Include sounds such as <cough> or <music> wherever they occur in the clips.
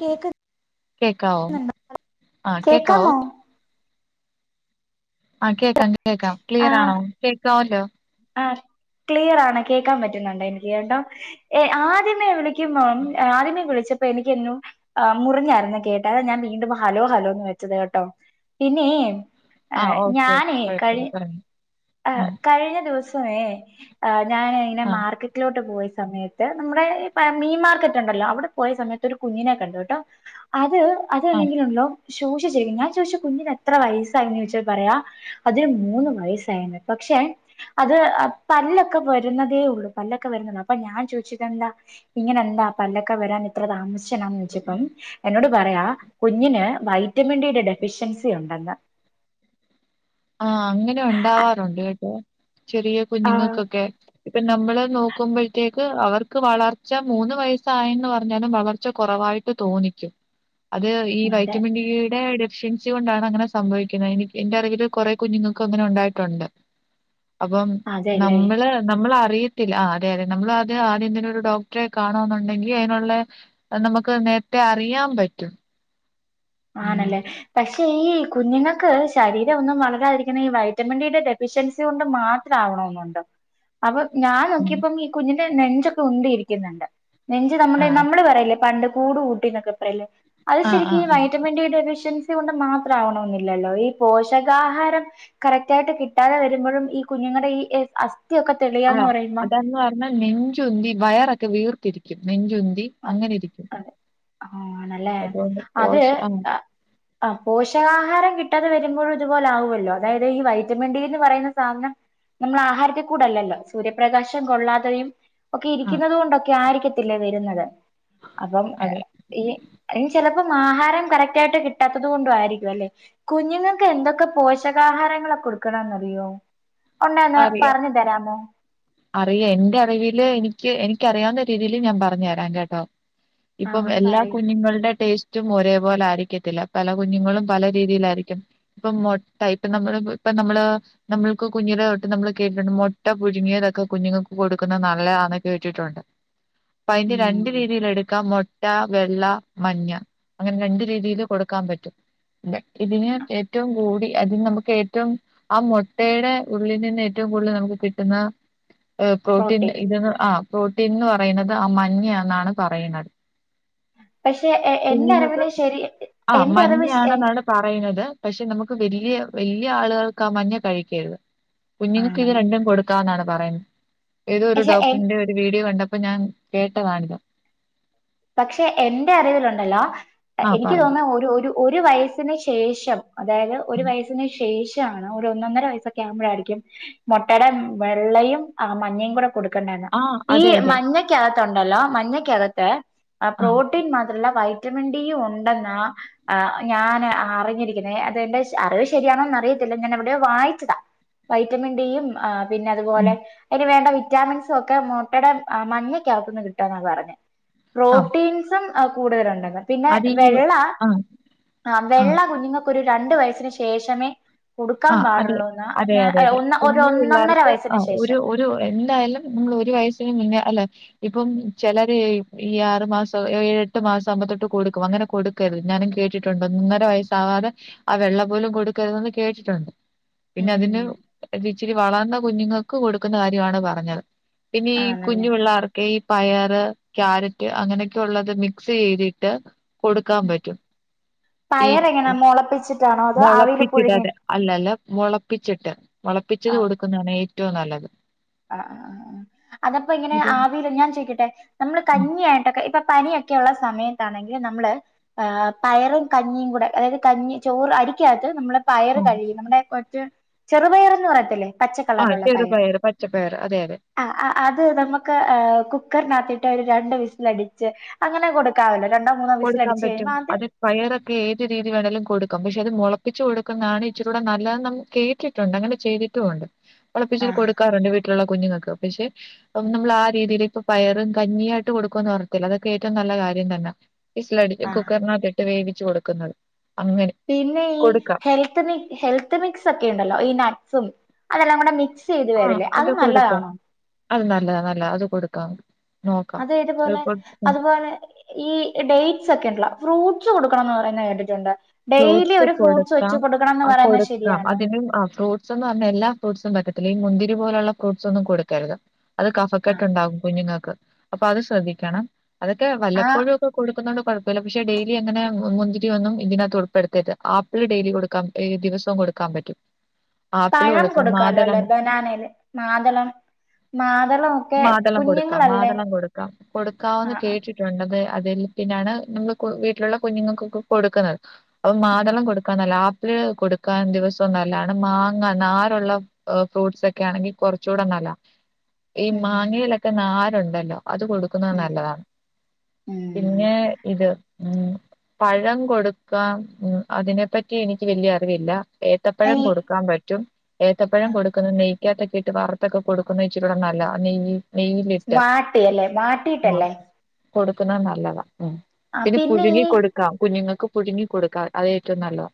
കേക്കുന്നുണ്ടോ കേക്കാവോ ആഹ് കേക്കാവോ? കേക്കാമോ ആഹ് കേക്കാം കേക്കാം. ആഹ് ക്ലിയറാണോ കേക്കാവല്ലോ. ആഹ് ക്ലിയറാണ്. കേൾക്കാൻ പറ്റുന്നുണ്ടെനിക്ക് കേട്ടോ. ഏഹ് ആദ്യമേ വി ളിക്കുമ്പം ആദ്യമേ വിളിച്ച പ്പൊ എനിക്കും എന്നോ ആഹ് മുറിഞ്ഞായിന്നേ കേട്ടേ. അതാ ഞാൻ വീണ്ടും ഹലോ ഹലോന്ന് വെച്ചത് കേട്ടോ. പിന്നേ ആഹ് ഓക്കെ ഓക്കെ ഞാനേ കുഴപ്പമില്ല കഴി പറഞ്ഞോ ആഹ് കഴിഞ്ഞ ദിവ സവേ ഞാന് ങ്ങനെ ആഹ് മാർക്ക റ്റിലോട്ട് പോയ സമയത്ത് നമ്മുടെ ഈ പ മീൻ മാർക്കറ്റ് ണ്ടല്ലോ അവിടെ പോയ സമയത്ത് ഒരു കുഞ്ഞിനെ ക്കണ്ടുട്ടോ. അത് അത് ആഹ് ന്തേങ്കിലും ഉണ്ടോ. ശോഷി ചിരിക്കുന്നു. ഞാൻ ചോയ് ച്ചു കുഞ്ഞിനെത്ര വയസ്സായിന്ന് ചോയ്ച്ചാ പറയാ. അതിന് മൂന്ന് വയസ്സായിണ് ന്ന് പക്ഷെ അത് പല്ലൊക്കെ വരുന്നതേ ഉള്ളൂ, പല്ലൊക്കെ വരുന്നുള്ള അപ്പൊ ഞാൻ ചോയ്ച്ചു ഇതെന്താ, ഇങ്ങനെ എന്താ പല്ലക്കെ വരാൻ ഇത്ര താമസിച്ചെന്ന് ചോയ്ച്ചപ്പം എന്നോട്, പറയാ കുഞ്ഞിന് വൈറ്റമിൻ ഡിയുടെ ഡെഫിഷ്യൻസി ഉണ്ടെന്ന്, ആഹ് അങ്ങനെ ഉണ്ടാവാറുണ്ട് കേട്ടോ ചെറിയ ആഹ് കുഞ്ഞുങ്ങൾക്കൊക്കെ, ഇപ്പൊ നമ്മള് നോക്കുമ്പോഴത്തേക്ക് അവർക്ക് വളർച്ച മൂന്ന് വയസ്സായന്ന് പറഞ്ഞാലും വളർച്ച കുറവായി ട്ട് തോന്നിക്കും, അത് ഈ അതെ വൈറ്റമിൻ ഡിയുടെ ഡെഫിഷ്യൻസി കൊണ്ടാണ് അങ്ങനെ സംഭവിക്കുന്നത് എനി എന്റെ അറിവില്, കൊറേ കുഞ്ഞുങ്ങൾക്ക് അങ്ങനെ ഉണ്ടായിട്ടുണ്ട് അപ്പം അതെല്ലേ നമ്മള്, നമ്മള് അറിയത്തില്ല, ആ അതെ അതെ നമ്മൾ അത് ആദ്യംതന്നെ ഒരു ഡോക്ടറെ കാണ എന്നുണ്ടെങ്കിൽ, അതിനുള്ള നമുക്ക് നേരത്തെ അറിയാൻ പറ്റും, ഉം ആണല്ലേ, പക്ഷെ ഈ കുഞ്ഞുങ്ങൾക്ക് ശരീരം ഒന്നും വളരാതിരിക്കുന്ന ഈ വ വിറ്റമിൻ ഡിടെ ഡെഫിഷ്യൻസി കൊണ്ട് മാത്രം ആവണോന്നുണ്ടൊ? അപ്പൊ ഞാൻ ഉം. നോക്കിയപ്പം ഇ കുഞ്ഞിന്റെ നെഞ്ചൊക്കെ ഉണ്ടിരിക്കുന്നുണ്ട് നെഞ്ച് ആ നമ്മുടെ നമ്മള് പറയില്ലേ പണ്ട് കൂട് കൂ ട്ടിനോക്കെ പറയ്ല്ലേ അത് ആ ആ ശരിക്കും ഈ വ ഡി ഡെഫിഷ്യൻസി കൊണ്ട് മാത്രം ആവണെന്നില്ലല്ലോ ഈ പോഷകാഹാരം, കറക്റ്റ് ആയിട്ട് കിട്ടാതെ വരുമ്പോഴും ഈ കുഞ്ഞുങ്ങളുടെ ഈ അ <unintelligible> ഒക്കെ തെളി ആഹ് അതെന്ന് പറഞ്ഞാൽ നെഞ്ചുന്തി വയറൊക്കെ വീർത്തിരിക്കും നെഞ്ചുന്തി അങ്ങനെ ഇരിക്കും, അതെ ആണല്ലേ അതുകൊണ്ട് അത്, പോഷ ആ ആഹ്, പോഷകാഹാരം കിട്ടാതെ വരുമ്പോഴും ഇതുപോലാവല്ലോ അതായത് ഈ വൈറ്റമിൻ ഡിന്ന് പറയുന്ന സാധനം, നമ്മൾ ആഹാരത്തിൽ കൂടിയല്ലല്ലോ സൂര്യപ്രകാശം കൊള്ളാതെയും, ഒക്കെ ആ ഇരിക്കുന്നുന്നത് കൊണ്ടൊക്കെ ആയിരിക്കത്തില്ലേ വരുന്നത്? അപ്പം അതെ ഈ ഇനി ചിലപ്പം ആഹാരം കറക്റ്റ് ആയിട്ട് കിട്ടാത്തത് കൊണ്ടും ആയിരിക്കും അല്ലെ കുഞ്ഞുങ്ങൾക്ക് എന്തൊക്കെ പോഷകാഹാരങ്ങള കൊടുക്കണന്ന്റിയോ ഉണ്ടെന്ന പറഞ്ഞു തരാമോ, അറിയ എന്റെ അറിവിൽ എനിക്ക് എനിക്കറിയാവുന്ന രീതിൽ ഞാൻ പറഞ് തരാം കേട്ടോ, ആഹ് ഇപ്പം ഒന്ന് എല്ലാ പറയൂ കുഞ്ഞുങ്ങളുടെ ടേസ്റ്റ് റ്റും ഒരേപോലെ ആയിരിക്കത്തില്ല പല കുഞ്ഞുങ്ങളും പല രീതിയിലായിരിക്കും, ഇപ്പൊ മൊട്ട ഇപ്പ നമ്മള് ഇപ്പ നമ്മള്, നമ്മൾക്ക് കുഞ്ഞിലെ തൊട്ട് നമ്മള് കേട്ടിണ്ട് മുട്ട പുഴുങ്ങിയ, തൊ ക്കെ കുഞ്ഞുങ്ങൾക്ക് കൊടുക്കുന്നത് നല്ലതന്നൊക്കെ കേട്ടിട്ടുണ്ട് അപ്പ അതിന്റെ ഉം രണ്ട് രീതിൽ എടുക്കാം മൊ മുട്ട വെള്ള മഞ്ഞ അങ്ങനെ രണ്ട് രീതിയില് കൊടുക്കാൻ പറ്റും, ഇ ഇതിന് ഏറ്റവും കൂടി അതിന് നമുക്ക് ഏറ്റവും, ആ മൊട്ടയുടെ ഉള്ളിൽ നിന്ന് ഏറ്റവും കൂടുതൽ നമുക്ക് കിട്ടുന്ന പ്രോട്ടീൻ ഇത്ന്ന് ആ പ്രോട്ടീൻന്ന് പറയുന്നത് ആ മഞ്ഞ എന്നാണ് പറയുന്നത്, പക്ഷെ എന്റെ കുഞ്ഞുങ്ങക്കും അറിവില് ശരി ആഹ്, എന്റെ മഞ്ഞ അറിവ് ആണ്ന്നാണ്, പറയുന്നത് പക്ഷെ നമുക്ക് വല്ല്യ വല്യ ആളുകൾക്കാ മഞ്ഞ കഴിക്കരുത്, കുഞ്ഞുങ്ങൾക്ക് ഇത് ആണല്ലേ രണ്ടും കൊടുക്കാന്നാണ് പറയുന്നത് ഏതോ ഒരു പക്ഷെ എൻ ഡോക്ട്ടറി ന്റെ വീഡിയോ കണ്ടപ്പോ ഞാൻ കേട്ടതാണ് പക്ഷെ എന്റെ അറിവൽണ്ടല്ലോ ആ എനിക്ക് പറഞ്ഞു. തോന്ന്ന്നത് ഒരു ഒരു ഒരു വയസിന് ശേഷം അതായത് ഒരു ഉം. വയസ്സിന് ശേഷം, <inaudible> ഒന്നൊന്നര വയസ്സക്കെ ആവുമ്പോഴായിരിക്കും മൊട്ടയുടെ വെള്ളയും ആ മഞ്ഞയും കൂടെ കൊട് ക്കണ്ടന്ന് ആ ഈ അതെ അതെ. മഞ്ഞക്കകത്തുണ്ടല്ലോ മഞ്ഞക്കകത്ത്,. ആഹ് ആ. പ്രോട്ടീൻ മാത്രല്ല വൈറ്റമിൻ ഡിയും ഉണ്ടെന്ന ആഹ് ഞാൻ അറിഞ്ഞിരിക്കുന്നെ അതെന്റെ അറിവ് ശരിയാണോന്ന് അറിയത്തില്ല ഞാൻ എവിടെയൊ വായിച്ചതാ, വൈറ്റമിൻ ഡിയും ആഹ് പിന്നെ അത് ഉം. പോലെ അയിന് വേണ്ട വി റ്റാമിൻസും ഒക്കെ മുട്ടയ്ടെ ആഹ് മഞ്ഞക്കാകത്ത്ന്ന് കിട്ടാന്നാ പറഞ്ഞെ. ആ പ്രോട്ടീൻസും ആഹ് കൂട്തലണ്ടെന്ന്. പിന്നെ അത് ഈ വെള്ള ആ ആഹ് ആ. വെള്ള കുഞ്ഞുങ്ങക്കൊര് രണ്ട് വയസ്സിന് ശേഷമെ..... കൊടുക്കാം ആഹ് അതെ. പാടുള്ളൂന്നാ അതെ ഞ അതെ ഏഹ് അതെ. ഒന്നാ ഒരൊ ഒന്നൊന്നര വയസ്സിന് ശേഷം. രു എന്തായാലും മ്മള് ഒരു വയസ്സിന് മുന്നെ അല്ലെ. ഇപ്പം ചെലര് ഇ ഈ ആറ് മാസം. ഏഴെട്ട് മാസാവ് മ്പൊത്തൊട്ട് കൊടുക്കും. അങ്ങനെ കൊട്.... ക്കര്ത്. ഞാനും കേട്ടിട്ടുണ്ട് ഒന്നൊന്നര വയസ്സാവാതെ ആ വെള്ള പോലും കൊടുക്കരുതെന്ന് കേട്ട്.... ട്ടുണ്ട്. പിന്നെ അതിന് ഉം ഇച്ചിരി വളർന്ന കുഞ്ഞുങ്ങൾക്ക് കൊട്ക്കുന്ന കാര്യാണ് പറഞ്ഞത്. പിന്നെ ഈ ആണല്ലേ കുഞ്ഞു പിള്ളാർ.... ക്ക് ഈ പയറ്, ക്യാരറ്റ് അങ്ങനെയൊക്കെ ഉള്ളത് മിക്സെയ്തിട്ട്... കൊടുക്കാം പറ്റും. ഈ തെളപ്പിച്ചിട്ടാണൊ? മൊളപ്പിച്ചിടാതെ. അല്ല അല്ല മൊളപ്പിച്ചിട്ട്. മൊളപ്പിച്ചത് കൊടുക്കുന്നാന്നെ ഏറ്റവും നല്ലത്. ആഹ് ആഹ് ആഹ്. അതപ്പ ഇങ്ങനെ ഇത് ആവീല് ഞാ ചോയിക്കട്ടെ നമ്മള് ഉം കഞ്ഞിയായിട്ടൊക്കെ ഇപ്പൊ പനിയൊക്കെ ഒള്ള സമയത്താണെങ്കിൽ നമ്മ്ള് ആഹ് പയറും, കഞ്ഞിയും കൂടെ അതായത് കഞ്ഞി, ചോറ് അരിക്കകത്ത് നമ്മള് പയറ് ആഹ് കഴുകി നമ്മടെ മറ്റെ ചെറുപയറ്ന്ന് പറയത്തില്ലെ ആഹ് ചെറുപയറ്, പച്ചപ്പയറ് അതെ അതെ. ആഹ് അഹ് അത് നമ്മക്ക് ഏഹ് കുക്കർനാകത്തിട്ട് ഒര് രണ്ട് വിസ് ലടിച്ച് അങ്ങനെ കൊടുക്കാവല്ലൊ. രണ്ടോ, മൂന്നോ വിസ്. കൊടുക്കാൻ ലടിച്ച് പറ്റും കഴിയുമ്പം അത് പയറൊക്കെ ഏത് രീതി വേണേലും കൊടുക്കാം. പക്ഷെ അത് മൊളപ്പിച്ച് കൊടുക്കുന്നാണ് ഇച്ചിരി കൂടെ നല്ലതെന്നം കേട്ടി... ട്ടുണ്ട്. അങ്ങനെ ചെയ്തിട്ടു ഉണ്ട്. മൊളപ്പി ച്ചിരി ആഹ് കൊടുക്കാറുണ്ട് വീട്ട്ലുള്ള കുഞ്ഞുങ്ങക്ക്. പക്ഷെ മ് നമ്മളാ രീതിയിലേ.... പയറും, കഞ്ഞിയായിട്ട് കൊടുക്കൂന്ന് പർഞ്ഞിട്ടില്ല. അതൊക്കെ ഏറ്റവും നല്ല കാര്യ തന്നെ വിസ്‌ലടി ആഹ് കുക്കർനകത്ത്... ട്ട് വേവിച്ച് കൊടുക്കുന്നത്. പിന്നെ ഈ കൊടുക്കാം ഹെൽത്ത് മി ഹെൽത്ത് മിക് സൊക്കെയുണ്ടല്ലൊ ഈ നട്സും അതെല്ലാം കൂടെ മിക്സ്... ചെയ്ത് ആഹ് വരല്ലെ. അത് അതും കൊടുക്കാം നല്ലതാണൊ? അത് നല്ലതാ നല്ലാ. അത് കൊടുക്കാം. നോക്കാം അത് ഇത്പോലെ കൊടു അതുപോലെ ഈ ഡെയ്ഡ്സ് ഒകെണ്ട്ലൊ ഫ്രൂഡ്സ് കൊടുക്കണംന്ന് പറയുന്നത് കേട്ടിട്ടുണ്ട്. ഡെയിലി ഫ്രൂഡ്സ് ഒരു ഫ്രൂട്ട്സ് വെച്ച് കൊട്ക്കാം. കൊടുക്കണംന്ന് അഹ് പറയുന്നത് കൊടുക്കാം ശരിയാണോ അതിനും ആഹ് ഫ്രൂ സുംന്ന് പർഞ്ഞാ എല്ലാ ഫ്രൂഡ്സും പറ്റത്തില്ല. ഈ മുന്തിരി പോലൊള്ള ഫ്രൂഡ്സൊന്നും കൊട്ക്കരുത്. അത് കഫക്കെട്ട് ആഹ് ണ്ടാക്കും കുഞ്ഞുങ്ങക്ക്. അപ്പൊ അത് ശ്രദ്ധിക്കണം. അതൊക്കെ ആഹ് വല്ലപ്പോഴും കൊടുന്നോണ്ട് കൊഴപ്പല്ല. പക്ഷെ ഡെയ്ലി അങ്ങനെ മുന്തിരി ഒന്നും ഇതിനാത്ത് കൊടുക്കരുത്. ആപ്പിൾ ഡെയ്ലി കൊടുക്കാം. ഏഹ് ദിവസൊം കൊടുക്കാം പറ്റും. ആപ്പിള് പഴം കൊടുക്കാം കൊടുക്കാല്ലൊ അല്ലെ. മാതളം ബനാനേല്, മാതളം മാതളം ഒക്കെ മാതളം കൊട്ക്കാം. കുഞ്ഞുങ്ങളല്ലേ മാതളം കൊടുക്കാം. കൊടുക്കാവെന്ന് ആഹ് കേട്ടി... ട്ടുണ്ട്. ത് അതിൽ പിന്നാണ് നമ്മള് വീട്ട്ലുള്ള കുഞ്ഞുങ്ങൾക്കൊക്കെ കൊടുക്കുന്നത്. അപ്പൊ ഉം മാതളം കൊടുക്കാൻ നല്ലാ. ആപ്പിള് കൊടുക്കാൻ ദിവസൊംന്നല്ലാണ്. മാങ്ങ നാരുള്ള ഏഹ് ഫ്രൂട്ട് സൊക്കെ ആണെങ്കി കൊർച്ചൂടെ നല്ലാ. ഈ ഉം മാങ്ങയിലൊക്കെ നാരുണ്ടല്ലൊ അത് കൊടുക്കുന്നത് ഉം നല്ലതാണ്. ഉം പിന്നെ പിന്നേ ഇത് ഉം പഴം കൊട്ക്കാം. ഉം. അതിനെപ്പറ്റി എനിക്ക് വല്ല്യ അറിവില്ലാ. ഈ ഏത്തപ്പഴം കൊടുക്കാൻ പറ്റും ഏത്തപ്പഴം കൊടുക്കുന്നത് നെയ്യ് ഏത്തക്ക ഇട്ട് വാർത്തൊക്കെ കൊടുക്കുന്ന ഇച്ചിരൂടെ നല്ലതാ നെയ്യ് നെയ്യിലിട്ട് വാട്ടിയല്ലേ ആ വാട്ടീട്ടല്ലേ? കൊടുക്കുന്നത് നല്ലതാ ഉം ആ പിന്നെ പുഴുങ്ങി ഈ കൊടുക്കാം കുഞ്ഞുങ്ങൾക്ക് പുഴുങ്ങി കൊടുക്കാം അത് ഏറ്റവും നല്ലോം.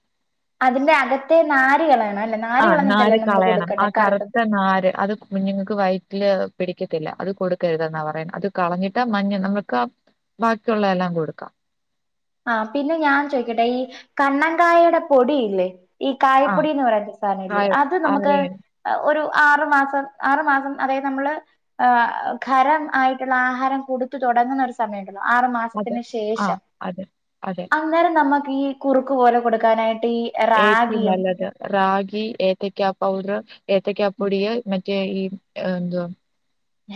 അതിന്റെ അകത്തെ നാര് കളയണം അല്ലെ നാര് ആഹ് കളഞ്ഞിട്ടല്ലേ നാാര് നമ്മള് കളയണം. ആ കൊടുക്കണ്ടേ കറുത്തത് കറുത്ത നാര് അത് കുഞ്ഞുങ്ങൾക്ക് വയറ്റില് പിടിക്കത്തില്ല അത് കൊടുക്കരുതെന്നാ പറയുന്നെ അത് കളഞ്ഞിട്ടാ മഞ്ഞ നമ്മക്കാ ബാക്കിയുള്ളതെല്ലാം കൊടുക്കാം. ആഹ് പിന്നെ ഞാൻ ചോയ്ക്കട്ടെ ഈ കണ്ണങ്കായയുടെ പൊടിയില്ലേ. ഈ ആ കായ്പ്പൊടി എന്ന് പറയുന്ന സാധനല്ലേ കായം അത് നമക്ക്- ആറിയൻ ആഹ് ഒരു ആറു മാസം ആറു മാസം അതായത് നമ്മള് ഏഹ് ഖരം ആയിട്ടുള്ള ആഹാരം കൊടുത്ത് തുടങ്ങുന്നൊരു സ സമയണ്ടല്ലോ അതെ ആറ്മാസത്തിന് ആ ശേഷം അതെ അതെ അന്നേരം നമ്മക്കീ കുറുക്ക് പോലെ കൊടുക്കാനായിട്ട് ഈ ഏറ്റവും റാഗിയും നല്ലത് റാഗി, ഏത്തക്ക പൗഡർ, ഏത്തക്ക പൊടിയിൽ മ റ്റെ ഈ എന്ത്വാ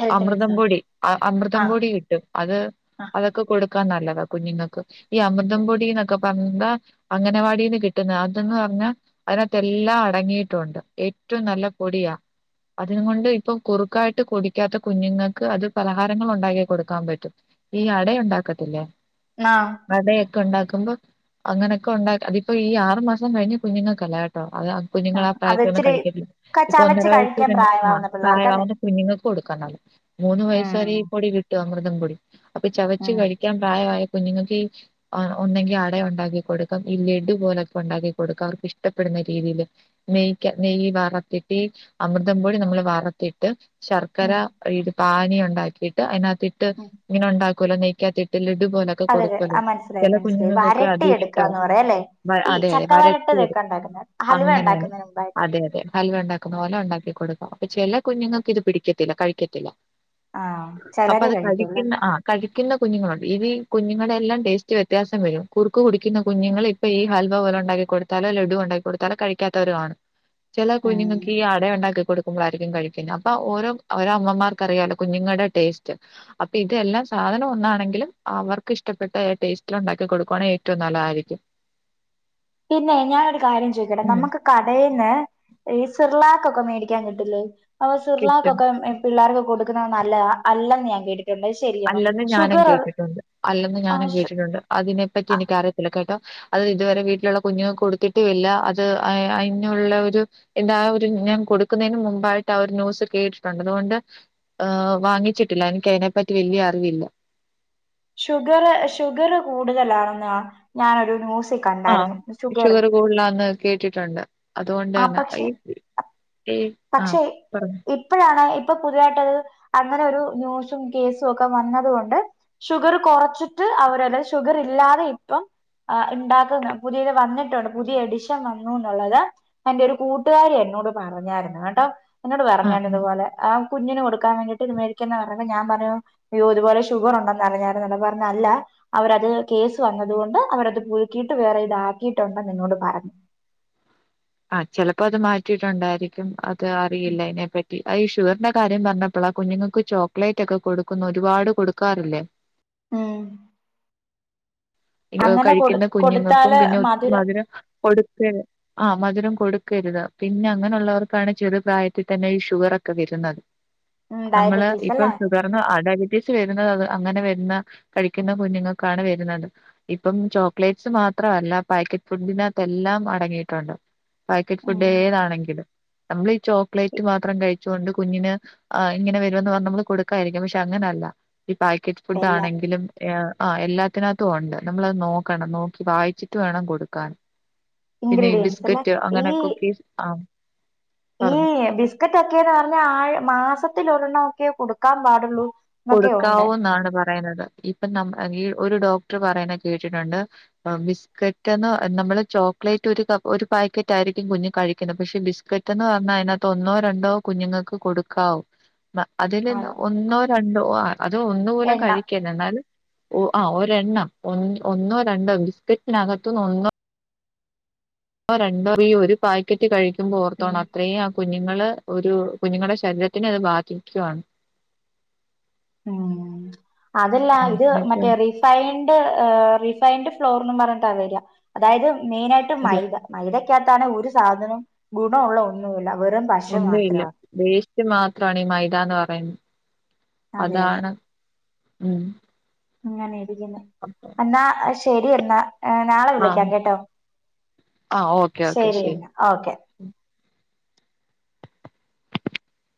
ഹെൽത്ത് അമൃതം മിക്സാ പൊടി അഹ അമൃതം ആഹ് പൊടി കിട്ടും അത് ആഹ് അതൊക്കെ കൊടുക്കാൻ നല്ലതാ കുഞ്ഞുങ്ങക്ക് ഈ അമൃതം പൊടിന്നൊക്കെ പറഞ്ഞാന്താ? അംഗനവാടിന്ന് കിട്ടുന്ന അത് ന്ന് പറഞ്ഞാ അയിനാത്തെല്ലാം അടങ്ങിയിട്ടുണ്ട് ഏറ്റും നല്ല പൊടിയാ. അതിനകൊണ്ട് ഇപ്പം കുറുക്കായിട്ട് കുടി ക്കാത്ത കുഞ്ഞുങ്ങക്ക് അത് പലഹാരങ്ങളുണ്ടാക്കി കൊടുക്കാൻ പറ്റും ഈ അട ഉണ്ടാക്കത്തില്ലേ ആഹ് അടയൊക്കെ ഇണ്ടാക്കുമ്പ അങ്ങനൊക്കെ ഉണ്ടാക്ക അതിപ്പോ ഈ ആറ് മാസം കഴിഞ്ഞ കുഞ്ഞുങ്ങൾക്കല്ല കേട്ടോ അത് അ കുഞ്ഞുങ്ങളാ ആഹ് അത് പ്രായത്തിൽ ഒന്നും ഇച്ചിരി കഴിക്കത്തില്ല. ക ഇപ്പൊ ഒന്നര ചവച്ച് വയസ്സ് കഴിക്കാൻ രണ്ട് ആഹ് പ്രായമാവുന്ന പിള്ളേർക്കല്ലേ പ്രായള്ളവര്- കുഞ്ഞുങ്ങക്ക് കൊടുക്കാൻണ്ടാവില്ല, മൂന്ന് വയസ്സ് ഉം വരെ ഈ പൊടി കിട്ടും അമൃതം പൊടി അപ്പൊ ചവച്ച് ഉം കഴി ക്കാൻ പ്രായമായ കുഞ്ഞുങ്ങക്കീ ആഹ് ഒന്നെങ്കി അടയുണ്ടാക്കി കൊടുക്കാം, ഈ ലഡു പോലൊക്കെ ഉണ്ടാക്കി കൊടുക്കാം അവർക്കിഷ്ടപ്പെടുന്ന രീതിയിൽ. നെയ്ക്ക നെയ്യ് വറ്ത്തിട്ട് അമൃതംപൊടി നമ്മള് വറത്തിട്ട് ശർക്കര ഉം പാനീ ഉണ്ടാക്കീട്ട് അയിനാത്തിട്ട് ഉം ഇങ്ങനെ ഇണ്ടാക്കൂല നെയ്ക്കാകത്തിട്ട് ലഡു പോലെ ഒക്ക അതെ അതെ കൊടുക്കല്ലോ, ആ മനസ്സിലായി ചെല മനസ്സിലായി കുഞ്ഞുങ്ങക്കൊക്കെ വരട്ടി അതിഷ്ടാവും എടുക്കാന്ന് പറയാല്ലേ വ ഈ അതെ അതെ ചക്ക വരട്ടിയെടു വരട്ടതൊക്കെ ഉണ്ടാക്കുന്ന ഹലുവ അങ്ങനെയാണ് ഉണ്ടാക്കുന്നതിന് മുമ്പായിട്ട് അതെ അതെ ഹൽവയുണ്ടാക്കുന്ന പോലെ ഉണ്ടാക്കി കൊടുക്കും. അപ്പൊ ചെല കുഞ്ഞുങ്ങൾക്ക് ഇത് പിടിക്കത്തില്ല കഴിക്കത്തില്ല. ആഹ് അപ്പൊ ചിലരെ അത് കഴിക്കുള്ളൂ കടിക്കുന്ന ആഹ് കഴിക്കുന്ന കുഞ്ഞുങ്ങളുണ്ട് ഇത് ഈ കുഞ്ഞുങ്ങളുടെ എല്ലാം ടേസ്റ്റ് വ്യത്യാസം വെരും. കുറുക്ക് കുടിക്കുന്ന കുഞ്ഞുങ്ങൾ ഇപ്പൊ ഈ ഹൽവ പോലം ഉണ്ടാക്കി കൊടു ത്താലോ ലഡു ഉണ്ടാക്കി കൊടുത്താലോ കഴിക്കാത്തവരാണ് ചെല ഉം കുഞ്ഞുങ്ങക്കി അടയുണ്ടാക്കി കൊടു മ്പോയായിരിക്കും കഴിക്കുന്നത് അപ്പൊ ഓരോ അവര അമ്മമാർക്ക്റിയാലോ കുഞ്ഞുങ്ങടെ ടേസ്റ്റ് അപ്പൊ ഇതെല്ലാം സാധനം ഒന്നാണെങ്കിലും അവർക്ക് ഇഷ്ടപ്പെട്ട ടേസ്റ്റിൽ ഉണ്ടാക്കി കൊടുക്കുവാണെങ്കി ഏറ്റവും നല്ലതായിരിക്കും. പിന്നെ ഞാനൊരു കാര്യം ചോദിക്കട്ടെ ഉം നമ്മക്ക് കടേന്ന് ഈ സിർലാക്കൊക്കെ മേടിക്കാൻ കിട്ടില്ലേ അപ്പൊ കിട്ടും സിർലാക്കൊക്കെ എ പിള്ളാർക്ക് കൊടുക്കുന്നത് നല്ലത അല്ലെന്ന് ഞാൻ കേട്ടിട്ടുണ്ട് അത് ശെ അല്ലെന്ന് ഞാനും കേട്ടിട്ടുണ്ട് അല്ലെന്ന് ഞാനും ആഹ് കേട്ടിട്ടുണ്ട് അതിനെപ്പറ്റി എനിക്കറിയത്തില്ല കേട്ടോ അത് ഇതുവരെ വീട്ടിലുള്ള കുഞ്ഞുങ്ങക്ക് കൊടുത്തിട്ടേയില്ല അത് അ അയിനുള്ള ഒരു എന്താ ആഹ് ഒരു ഞാൻ കൊടുക്കുന്നയിന് മുമ്പായിട്ട് ആഹ് ഒരു ന്യൂസ് കേട്ടിട്ടുണ്ട് അതുകൊണ്ട് ആഹ് വാങ്ങിച്ചിട്ടില്ല എനിക്ക് അതിനെപ്പറ്റി വല്യ അറിവില്ല ഷുഗർ ഷുഗർ കൂടുതലാണെന്ന ഞാനൊരു ന്യൂസി ആഹ് ഷുഗർ കൂടുലാന്ന് കേട്ടിട്ടുണ്ട് അതുകൊണ്ട് ആ തന്നെ പക്ഷെ ഈ ആഹ് പക്ഷെ പറഞ്ഞോ ഇ പ്പഴാണ് ഇപ്പൊ പുതുതായിട്ടത് അങ്ങനെ ഒരു ന്യൂസും കേസും ഒക്കെ വന്നത് കൊണ്ട് ഷുഗർ കൊറച്ചിട്ട് അവരത് ഷുഗർ ഇല്ലാതെ ഇപ്പം ആഹ് ഇണ്ടാക്ക്ന്ന് പുതിയത് വന്നിട്ടുണ്ട് പുതിയ എഡിഷൻ വന്നുന്നുള്ളത് എന്റെ ഒരു കൂട്ടുകാരി എന്നോട് പറഞ്ഞായിരുന്നു കേട്ടോ എന്നോട് ആഹ് പറഞ്ഞാണ് ഉം ഇതുപോലെ ആഹ് കുഞ്ഞിന് കൊടുക്കാൻ വേണ്ടിട്ട് ഇത് മേടിക്കന്നെ പറഞ്ഞപ്പോ ഞാൻ പറഞ്ഞു അയ്യോ ഇതുപോലെ ഷുഗർ ഉണ്ടെന്ന് പറഞ്ഞു ഞാൻ എന്നിട്ട് പറഞ്ഞു അല്ല അവരത് കേസ് വന്നതുകൊണ്ട് അവരത് പുതുക്കീട്ട് വേറെ ഇതാക്കിയിട്ടുണ്ടെന്ന് എന്നോട് പറഞ്ഞു ആ ചെലപ്പോ അത് മാറ്റിയിട്ടുണ്ടായിരിക്കും അത് അറിയില്ല അതിനെപ്പറ്റി ഈ ഷുഗറിന്റെ കാര്യം പറഞ്ഞപ്പോളാ കുഞ്ഞുങ്ങൾക്ക് ചോക്ലേറ്റ് ഒക്കെ കൊടുക്കുന്ന ഒരുപാട് കൊടുക്കാറില്ലേ ഉം അങ്ങനെ കൊടു കഴിക്കുന്ന കുഞ്ഞുങ്ങൾക്കും കൊടുത്താല് പിന്നെ ഒത്തിരി മധുര മധുരം കൊടുക്കെ ആഹ് മധുരം കൊടുക്കരുത് പിന്നെ അങ്ങനെയുള്ളവർക്കാണ് ചെറു പ്രായത്തിൽ തന്നെ ഈ ഷുഗറൊക്കെ വരുന്നത് ഉം നമ്മള് ഡയബറ്റീസ് ഇപ്പൊ അല്ലേ കാരണം <unintelligible> വരുന്നത് അത് അങ്ങനെ വരുന്ന കഴിക്കുന്ന കുഞ്ഞുങ്ങക്കാണ് വരുന്നത് ഇപ്പം ചോക്ലേറ്റ്സ് മാത്രല്ല പാക്കറ്റ് ഫുഡിനകത്തെല്ലാം അടങ്ങിയിട്ടുണ്ട് പാക്കറ്റ് ഫുഡ് ഉം ഏതാണെങ്കിലും നമ്മള് ഈ ചോക്ലേറ്റ് മാത്രം കഴിച്ചുകൊണ്ട് കുഞ്ഞിന് ആ ഇങ്ങനെ വരുമന്ന് പറഞ് നമ്മൾ കൊടുക്കാതിരിക്കും പക്ഷെ അങ്ങനെയല്ല ഈ പാക്കറ്റ് ഫുഡ് എല്ലാ ആണെങ്കിലും ആ എല്ലാത്തിനകത്തും തുണ്ട് നമ്മളത് നോക്കണം നോക്കി വായിച്ചിട്ട് വേണം കൊടുക്കാൻ പിന്നെ ഈ ഇഗ്രീഡിയൻസ് അല്ലേ ബിസ്ക്കറ്റ് ഈ അങ്ങനെ കുക്കീസ് ആ ഈ പറഞ്ഞു ഇതൊക്കെ ന്ന് പറഞ്ഞാൽ ആഴ മാസത്തിലോരെണ്ണം ഒക്കെ കൊടുക്കാൻ പാടുള്ളൂ എന്നൊക്കെ ഉണ്ട് കൊടുക്കാവൂ എന്നാണ് പറയുന്നത് ഇപ്പം ന ഈ ഒരു ഡോക്ടർ പറയണ കേട്ടിട്ടുണ്ട് ബിസ്ക്കറ്റ്ന്ന് നമ്മള് ചോക്ലേറ്റ് ഒരു ഒരു പാക്കറ്റായിരിക്കും കുഞ് കഴിക്കുന്നത് പക്ഷെ ബിസ് ബിസ്ക്കെറ്റെന്ന് പറഞ്ഞാൽ അതിനകത്ത് ഒന്നോ രണ്ടോ കുഞ്ഞുങ്ങക്ക് കൊടുക്കാവൂ അതില് അത് ഒന്നോ രണ്ടോ അതോ ഒന്ന്പോലും എണ്ണ കഴിക്കരുത് എന്നാലും ഒരെണ്ണം ഒന്നോ രണ്ടോ ബിസ്ക്കറ്റിനകത്തുന്ന് ഒന്നോ ഒന്നോ രണ്ടോ ഈ ഒരു പാക്കറ്റ് കഴിക്കുമ്പോ ഉം ഓർത്തോണം അത്രയും കുഞ്ഞുങ്ങള് ഒരു കുഞ്ഞുങ്ങളുടെ ശരീരത്തിനത് ബാധിക്കുവാണ് ഉം അതല്ല ആ, ഇത് മറ്റേ അങ്ങനെയൊക്കെയാണ് റീ റിഫൈൻഡ് റിഫൈൻഡ് ഫ്ലോർന്ന് പറഞ്ഞിട്ട വരിയ അതായത് മെയിനായിട്ട് അതെ മൈദ മൈദയ്ക്കകത്താണ് ഒരു സാധനം ഗുണമുള്ള ഒന്നുല്ല വെറും പശ ഒന്നും ഇല്ല മാത്രാ വേസ്റ്റ് മാത്രമാണ് ഈ മൈതാന്ന് പറയുന്നത് അതെ അതാണ് ഉം എങ്ങനെ ഇരിക്കുന്നു അ എന്നാ ശരി എന്നാ ഏ നാളെ ആ വിളിക്കാം കേട്ടോ ആ ഓക്കെ ഓക്കെ ശരി ശരിയെന്ന ഓക്കെ